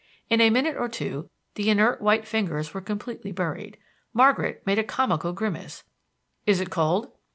In a minute or two the inert white fingers were completely buried. Margaret made a comical grimace. "Is it cold?"